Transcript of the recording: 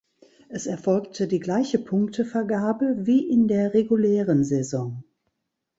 Es erfolgte die gleiche Punktevergabe, wie in der regulären Saison.